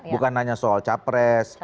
bukan hanya soal capres